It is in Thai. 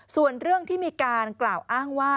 ส่วนเรื่องที่มีการกล่าวอ้างว่า